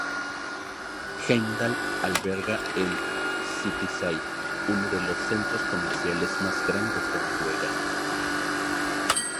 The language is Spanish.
Heimdal alberga el City Syd, uno de los centros comerciales más grandes de Noruega.